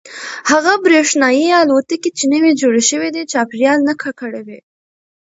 هغه برېښنايي الوتکې چې نوې جوړې شوي دي چاپیریال نه ککړوي.